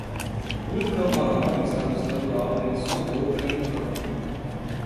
Um cão marrom está buscando algo em sua boca em um campo.